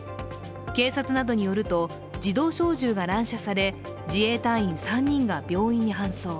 警察などによると、自動小銃が乱射され、自衛隊員３人が病院に搬送。